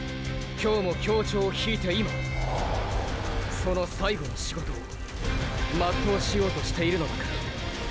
今日も協調を引いて今その最後の仕事を全うしようとしているのだから。